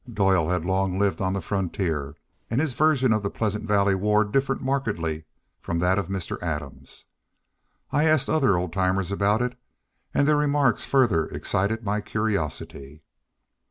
Doyle had long lived on the frontier and his version of the Pleasant Valley War differed markedly from that of Mr. Adams. I asked other old timers about it, and their remarks further excited my curiosity.